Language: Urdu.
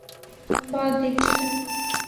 ہم بہت دیکھ چکے۔